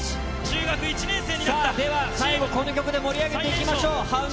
最後この曲で盛り上げていきましょう。